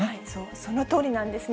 そのとおりなんですね。